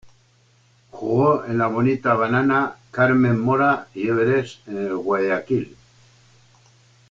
Jugó en el Bonita Banana, Carmen Mora y Everest de Guayaquil.